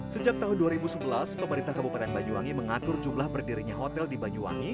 sejak tahun dua ribu sebelas pemerintah kabupaten banyuwangi mengatur jumlah berdirinya hotel di banyuwangi